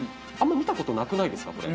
あんま見たことなくないですか？